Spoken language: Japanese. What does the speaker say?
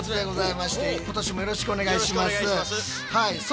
はい。